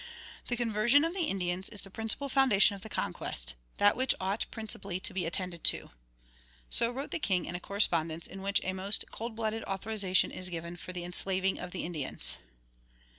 "The conversion of the Indians is the principal foundation of the conquest that which ought principally to be attended to." So wrote the king in a correspondence in which a most cold blooded authorization is given for the enslaving of the Indians.